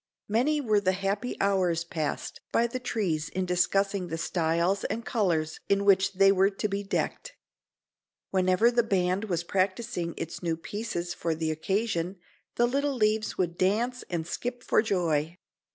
Many were the happy hours passed by the trees in discussing the styles and colors in which they were to be decked. Whenever the band was practicing its new pieces for the occasion the little leaves would dance and skip for joy.